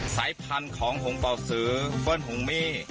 สายพันธุ์ของหงเป่าสือเฟิร์นหงมี่